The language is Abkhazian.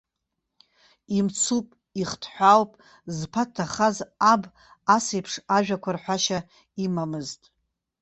Имцуп, ихҭҳәаауп, зԥа дҭахаз аб асеиԥш ажәақәа рҳәашьа имамызт.